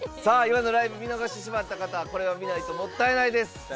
さあ今のライブ見逃してしまった方はこれを見ないともったいないです。